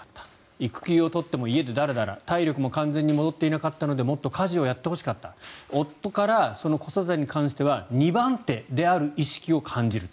育休を取っても家でダラダラ体力も完全に戻っていなかったのでもっと家事をやってほしかった夫から子育てに関しては２番手である意識を感じると。